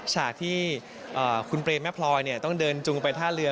ฉากที่คุณเปรมแม่พลอยต้องเดินจุงไปท่าเรือ